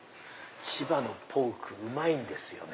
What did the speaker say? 千葉のポークうまいんですよね。